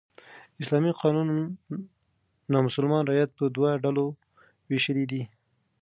اسلامي قانون نامسلمان رعیت په دوو کېټه ګوریو ویشلى دئ.